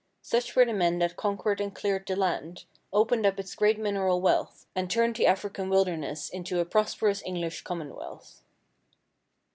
Such were the men that conquered and cleared the land, opened up its great mineral wealth, and turned the African wilderness into a prosperous English common wealth.